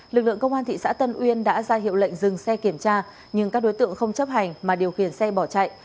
lực lượng công an thị xã tân uyên đã ra hiệu lệnh dừng xe kiểm tra nhưng các đối tượng không chấp hành mà điều khiển xe bỏ chạy